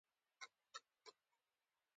ایا زه باید په کندز کې اوسم؟